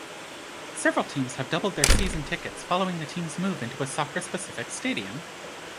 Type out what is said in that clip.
Several teams have doubled their season-tickets following the team's move into a soccer-specific stadium.